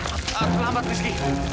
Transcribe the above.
aku selamat rizky